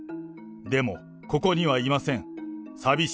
でも、ここにはいません。